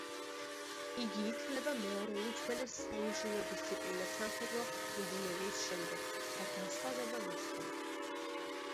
იგი ითვლება მეორე უძველეს საინჟინრო დისციპლინად სამხედრო ინჟინერიის შემდეგ, და განსხვავდება მისგან.